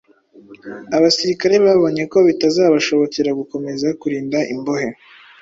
Abasirikare babonye ko bitazabashobokera gukomeza kurinda imbohe